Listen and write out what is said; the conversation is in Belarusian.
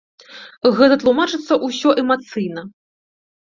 Гэта тлумачыцца ўсё эмацыйна.